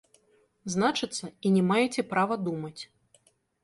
Значыцца, і не маеце права думаць.